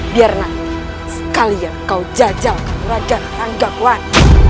biar nanti sekali yang kau jajalkan raga ranggabuan